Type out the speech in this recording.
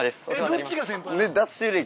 どっちが先輩なの？